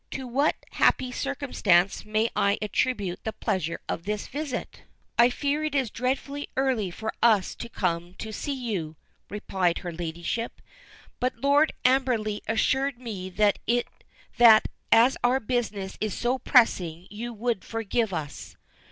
To what happy circumstance may I attribute the pleasure of this visit?" "I fear it is dreadfully early for us to come to see you," replied her ladyship, "but Lord Amberley assured me that as our business is so pressing you would forgive us."